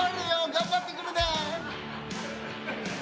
頑張ってくるね！